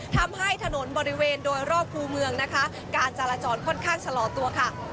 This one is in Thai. ทำให้ถนนบริเวณโดยรอบภูเมืองการจาระจรค่อนข้างชะลอตัว